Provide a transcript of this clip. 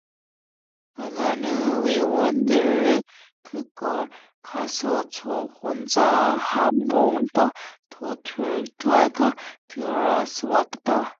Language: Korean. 하고는 회원들을 끌고 가서 저 혼자 한바탕 떠들다가 돌아왔다.